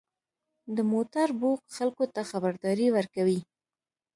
• د موټر بوق خلکو ته خبرداری ورکوي.